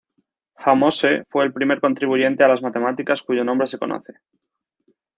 Ahmose fue el primer contribuyente a las matemáticas cuyo nombre se conoce.